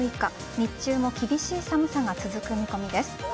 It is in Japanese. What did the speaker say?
日中も厳しい寒さが続く見込みです。